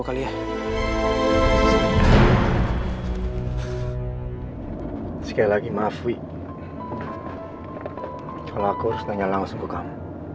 kalau aku harus nanyalah langsung ke kamu